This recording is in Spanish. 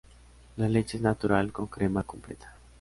La leche es natural, con crema completa.